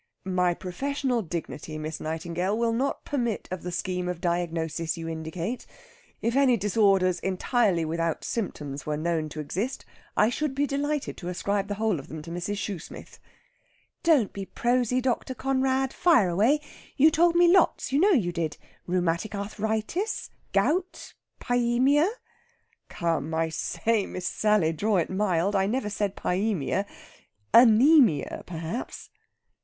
"My professional dignity, Miss Nightingale, will not permit of the scheme of diagnosis you indicate. If any disorders entirely without symptoms were known to exist, I should be delighted to ascribe the whole of them to Mrs. Shoosmith...." "Don't be prosy, Dr. Conrad. Fire away! You told me lots you know you did! Rheumatic arthritis gout pyæmia...." "Come, I say, Miss Sally, draw it mild. I never said pyæmia. _An_æmia, perhaps...."